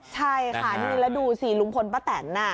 ใช่ค่ะนี่แล้วดูสิลุงพลป้าแตน